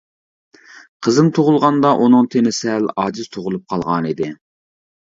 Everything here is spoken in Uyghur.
قىزىم تۇغۇلغاندا ئۇنىڭ تېنى سەل ئاجىز تۇغۇلۇپ قالغان ئىدى.